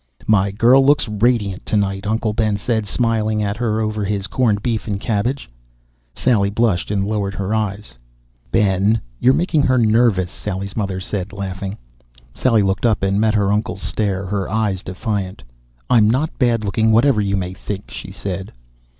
"My girl looks radiant tonight!" Uncle Ben said, smiling at her over his corned beef and cabbage. Sally blushed and lowered her eyes. "Ben, you're making her nervous," Sally's mother said, laughing. Sally looked up and met her uncle's stare, her eyes defiant. "I'm not bad looking whatever you may think," she said.